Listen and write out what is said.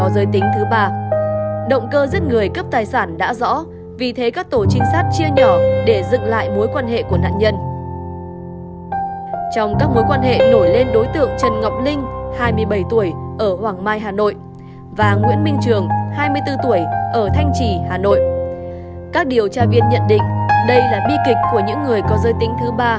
điều tra viên nhận định đây là bi kịch của những người có dơi tính thứ ba